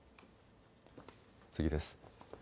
次です。